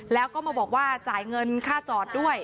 แล้วก็มาบอกว่าจ่ายเงินค่าจอดด้วย